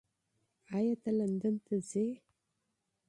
ایا ته لندن ته ځې؟